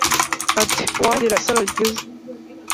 Ati Uwangira isaro ryiza